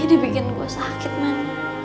ya dia bikin gue sakit iman